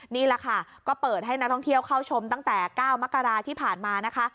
นี่แหละค่ะก็เปิดให้นักท่องเที่ยวเข้าชมตั้งแต่๙มกราที่ผ่านมานะคะ